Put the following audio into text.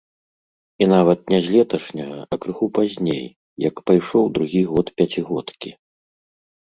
І нават не з леташняга, а крыху пазней, як пайшоў другі год пяцігодкі.